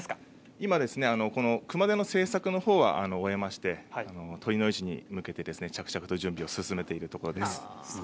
今、熊手の制作のほうは終わりまして酉の市に向けて着々と準備を進めているところです。